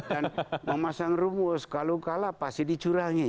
dan memasang rumus kalau kalah pasti dicurangi